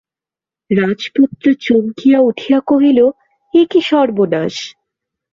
রাজপুত্র চমকিয়া উঠিয়া কহিল, এ কী সর্বনাশ!